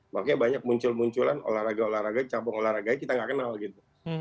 makanya banyak muncul munculan olahraga olahraga cabang olahraganya kita nggak kenal gitu